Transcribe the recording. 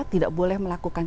tidak boleh melakukan